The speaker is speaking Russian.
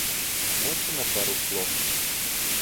Можно на пару слов?